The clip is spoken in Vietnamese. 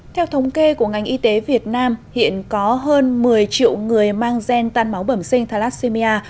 theo thống kê của ngành y tế việt nam hiện có hơn một mươi triệu người mang gen tan máu bẩm sinh thalassemia